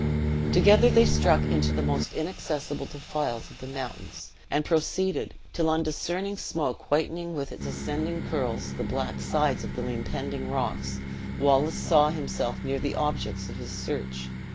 Together they struck into the most inaccessible defiles of the mountains, and proceeded, till on discerning smoke whitening with its ascending curls the black sides of the impending rocks, Wallace saw himself near the objects of his search.